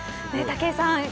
武井さん